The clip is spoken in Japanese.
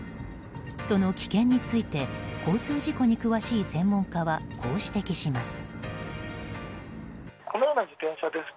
その危険について交通事故に詳しい専門家はこう指摘します。